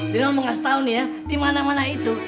lino mau kasih tau nih ya di mana mana itu